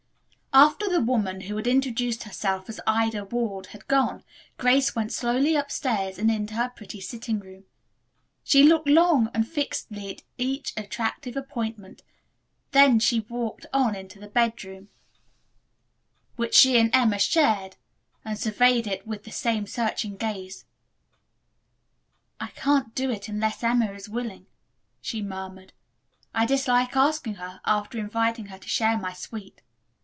After the woman, who had introduced herself as Ida Ward, had gone, Grace went slowly upstairs and into her pretty sitting room. She looked long and fixedly at each attractive appointment, then she walked on into the bedroom, which she and Emma shared, and surveyed it with the same searching gaze. "I can't do it unless Emma is willing," she murmured. "I dislike asking her after inviting her to share my suite.